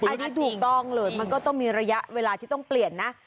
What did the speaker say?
อันนี้ถูกต้องเลยมันก็ต้องมีระยะเวลาที่ต้องเปลี่ยนนะ